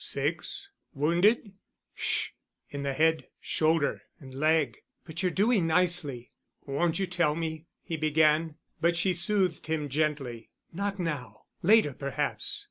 "Six—? Wounded——" "Sh—. In the head, shoulder and leg, but you're doing nicely." "Won't you tell me——?" he began. But she soothed him gently. "Not now—later perhaps.